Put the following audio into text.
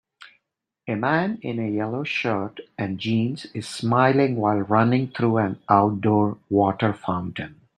A man in a yellow shirt and jeans is smiling while running through an outdoor water fountain.